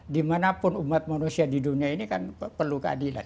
dimanapun umat manusia di dunia ini kan perlu keadilan